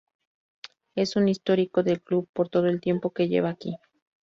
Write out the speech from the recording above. Es un histórico del club, por todo el tiempo que lleva aquí.